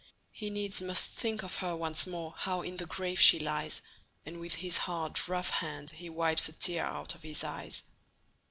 He needs must think of her once more, How in the grave she lies; And with his hard, rough hand he wipes A tear out of his eyes.